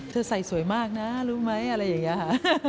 ใส่สวยมากนะรู้ไหมอะไรอย่างนี้ค่ะ